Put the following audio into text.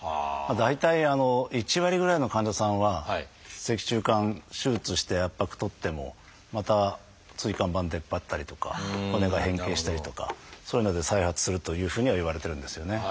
大体１割ぐらいの患者さんは脊柱管手術をして圧迫取ってもまた椎間板出っ張ったりとか骨が変形したりとかそういうので再発するというふうにはいわれてるんですよね。